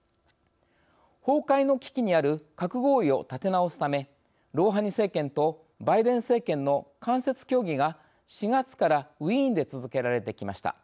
崩壊の危機にある核合意を立て直すためロウハニ政権とバイデン政権の間接協議が、４月からウィーンで続けられてきました。